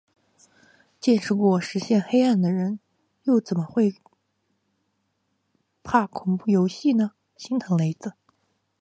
见识过现实黑暗的人，又怎么会怕恐怖游戏呢，心疼雷子